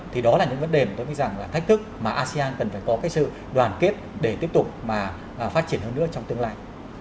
thì đó là những vấn đề mà tôi nghĩ rằng là thách thức mà asean cần phải có cái sự đoàn kết để tiếp tục mà phát triển hơn nữa trong tương lai